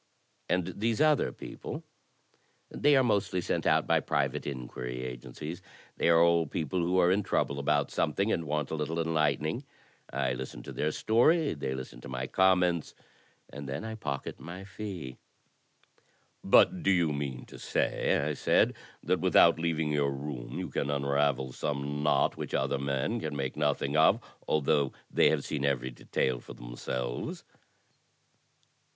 "And these other people?" "They are mostly sent out by private inqtiiry agencies. They are all people who are in trouble about something, and want a little enlightening. I listen to their story, they listen to my comments, and then I pocket my fee." "But do you mean to say," I said, "that without leaving your room you can unravel some knot which other men can make nothing of, although they have seen every detail for themselves?"